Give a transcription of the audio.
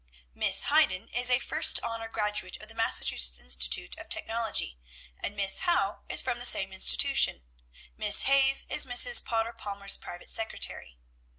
"'Miss Hayden is a first honor graduate of the Massachusetts Institute of Technology, and Miss Howe is from the same institution. Miss Hayes is Mrs. Potter Palmer's private secretary.